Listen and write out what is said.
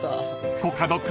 ［コカド君